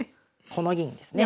この銀ですね。